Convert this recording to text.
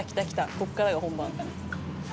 ここからが本番」